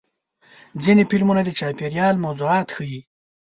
ځینې فلمونه د چاپېریال موضوعات ښیي.